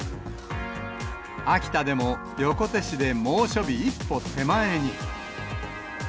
秋田でも横手市で猛暑日一歩手前に。